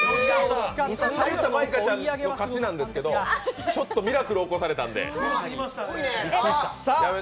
普通なら舞香ちゃんの勝ちなんだけど、ちょっとミラクル起こされたんで。